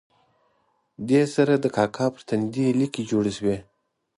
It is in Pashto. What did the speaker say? دې سره د کاکا پر تندي لیکې جوړې شوې.